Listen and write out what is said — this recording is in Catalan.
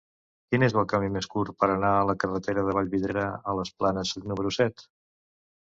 Quin és el camí més curt per anar a la carretera de Vallvidrera a les Planes número set?